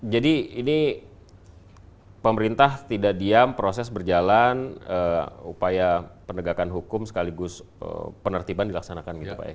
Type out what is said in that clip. jadi ini pemerintah tidak diam proses berjalan upaya penegakan hukum sekaligus penertiban dilaksanakan gitu pak ya